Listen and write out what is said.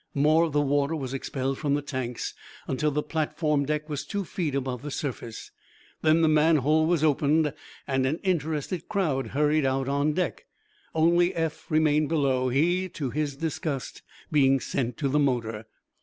More of the water was expelled from the tanks until the platform deck was two feet above the surface. Then the manhole was opened, and an interested crowd hurried out on deck. Only Eph remained below, he, to his disgust, being sent to the motor.